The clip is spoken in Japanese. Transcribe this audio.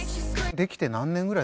できて何年ぐらい？